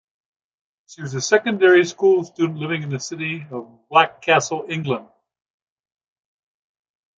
She was a secondary school student living in the city of Blackcastle, England.